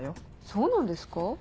そうなんですか？